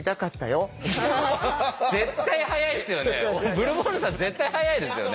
ブルボンヌさん絶対速いですよね。